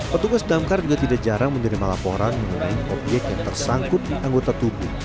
petugas damkar juga tidak jarang menerima laporan mengenai obyek yang tersangkut di anggota tubuh